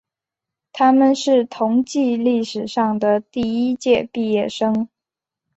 他们是同济历史上的第一届毕业生。